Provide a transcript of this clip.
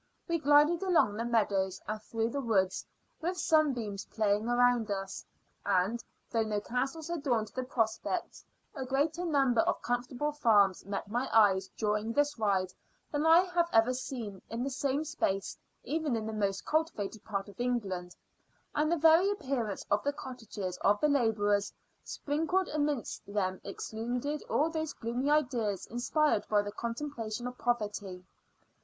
We glided along the meadows and through the woods, with sunbeams playing around us; and, though no castles adorned the prospects, a greater number of comfortable farms met my eyes during this ride than I have ever seen, in the same space, even in the most cultivated part of England; and the very appearance of the cottages of the labourers sprinkled amidst them excluded all those gloomy ideas inspired by the contemplation of poverty.